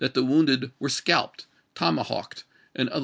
the wounded were scalped, tomahawked, and other v<,i.